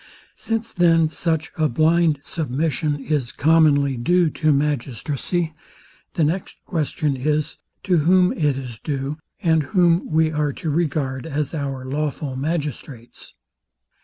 Since then such a blind submission is commonly due to magistracy, the next question is, to whom it is due, and whom we are to regard as our lawful magistrates?